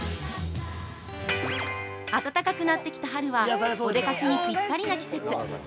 暖かくなってきた春はお出かけにぴったりな季節。